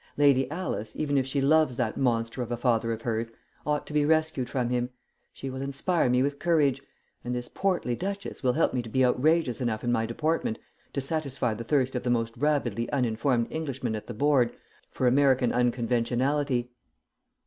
"Lady Alice, even if she loves that monster of a father of hers, ought to be rescued from him. She will inspire me with courage, and this portly Duchess will help me to be outrageous enough in my deportment to satisfy the thirst of the most rabidly uninformed Englishman at the board for American unconventionality."